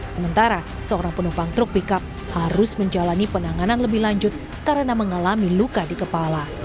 sementara seorang penumpang truk pickup harus menjalani penanganan lebih lanjut karena mengalami luka di kepala